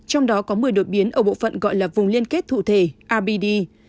trong đó có một mươi đột biến ở bộ phận gọi là vùng liên kết thủ thể abd